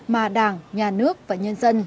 mà đảng nhà nước và nhân dân